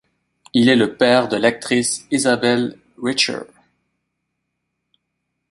Il est le père de l'actrice Isabel Richer.